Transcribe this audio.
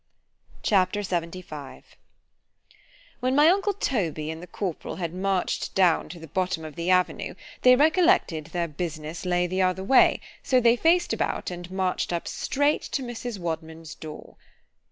_ C H A P. LXXV WHEN my uncle Toby and the corporal had marched down to the bottom of the avenue, they recollected their business lay the other way; so they faced about and marched up straight to Mrs. Wadman's door.